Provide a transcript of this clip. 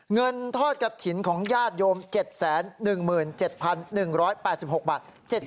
เงินทอดกระถิ่นของญาติโยม๗๑๗๑๘๖บาท